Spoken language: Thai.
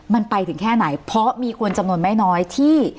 มันไปถึงแค่ไหนเพราะมีคนจำนวนไม่น้อยที่